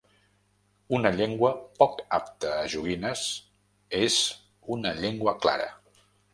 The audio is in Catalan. Una llengua «poc apta a joguines» és una llengua «clara».